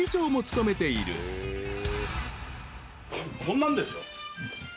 こんなんですよ。